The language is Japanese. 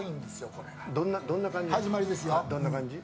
どんな感じ？